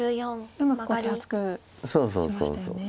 うまく手厚くしましたよね。